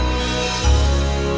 mereka sudah berjalan